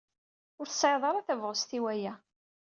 Ur tesɛid ara tabɣest i waya.